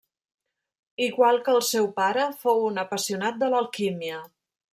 Igual que el seu pare fou un apassionat de l'alquímia.